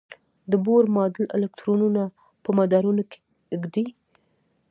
د بور ماډل الکترونونه په مدارونو کې ږدي.